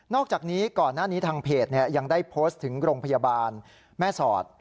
อกจากนี้ก่อนหน้านี้ทางเพจยังได้โพสต์ถึงโรงพยาบาลแม่สอด